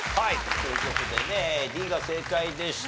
という事でねＤが正解でした。